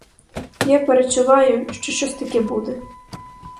Я передчуваю, що щось таке буде.